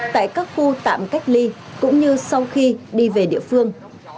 tại các khu tạm cách ly cũng như sau khi đi về địa phương